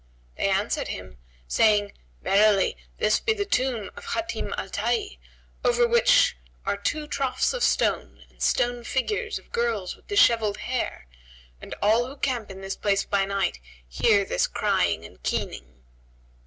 They answered him, saying, "Verily this be the tomb of Hatim al Tбyy, over which are two troughs of stone and stone figures of girls with dishevelled hair; and all who camp in this place by night hear this crying and keening."